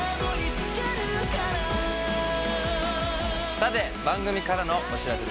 さて番組からのお知らせです。